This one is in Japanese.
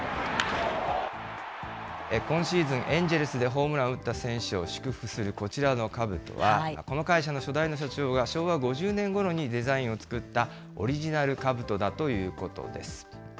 今シーズン、エンジェルスでホームランを打った選手を祝福するこちらのかぶとは、この会社の初代の社長が、昭和５０年ごろにデザインを作ったオリジナルかぶとだということです。